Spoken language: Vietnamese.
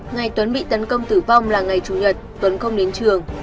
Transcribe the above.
ngày tuấn bị tấn công tử vong là ngày chủ nhật tuấn không đến trường